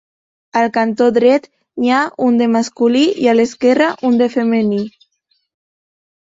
Al cantó dret n'hi ha un de masculí i a l'esquerra un de femení.